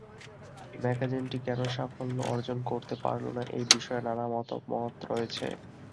ম্যাগাজিনটি কেন সাফল্য অর্জন করতে পারল না, এ বিষয়ে নানা মতামত আছে।